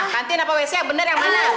kantin apa wc benar yang mana